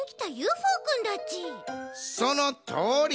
そのとおり！